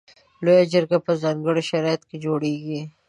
لویه جرګه په ځانګړو شرایطو کې جوړیږي.